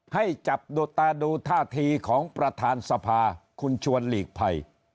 ให้จับดูดตาดูท่าทีของประธานสภาคุณชวนหลีกภัย